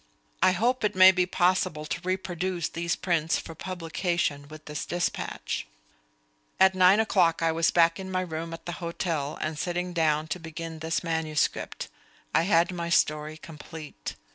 I hope it may be possible to reproduce these prints for publication with this despatch. At nine o'clock I was back in my room at the hotel and sitting down to begin this manuscript. I had my story complete.